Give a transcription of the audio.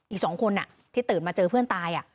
อีก๒คนที่ตื่นมาเจอเพื่อนตาย